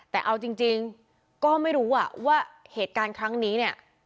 แต่เอาจริงก็ไม่รู้ว่าเหตุการณ์ครั้งนี้เนี่ย